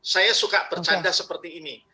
saya suka bercanda seperti ini